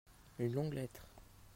un longue lettre.